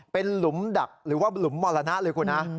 เป็นหลุมดักหรือว่าหลุมมรณะเลยคุณฮะ